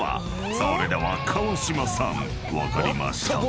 ［それでは川島さん分かりましたか？］